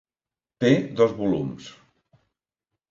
Té dos volums.